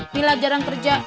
mila jarang kerja